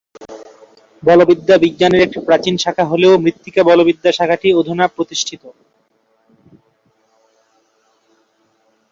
বলবিদ্যা বিজ্ঞানের একটি প্রাচীন শাখা হলেও মৃত্তিকা বলবিদ্যা শাখাটি অধুনা প্রতিষ্ঠিত।